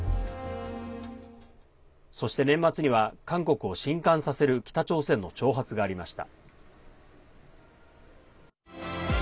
そして、年末には韓国を震かんさせる北朝鮮の挑発がありました。